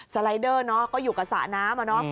สไลเดอร์ก็อยู่กับสระน้ำ